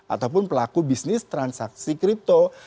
ataupun pelaku bisnis transaksi kripto